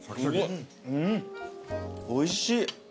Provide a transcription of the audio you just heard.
おいしい。